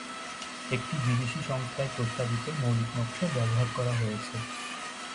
একটি বিদেশী সংস্থার প্রস্তাবিত মৌলিক নকশা ব্যবহার করা হয়েছে।